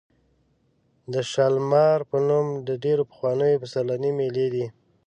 د شالمار په نوم ډېرې پخوانۍ پسرلنۍ مېلې دي.